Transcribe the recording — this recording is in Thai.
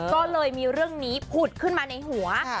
ก็เลยมีเรื่องนี้ผุดขึ้นมาในหัว